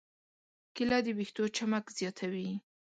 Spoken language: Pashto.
کېله د ویښتو چمک زیاتوي.